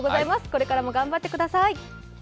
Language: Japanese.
これからも頑張ってください。